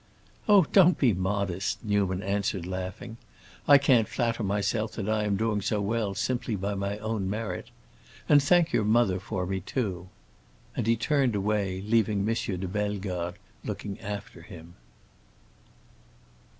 "Oh don't be modest," Newman answered, laughing. "I can't flatter myself that I am doing so well simply by my own merit. And thank your mother for me, too!" And he turned away, leaving M. de Bellegarde looking after him.